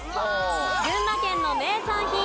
群馬県の名産品。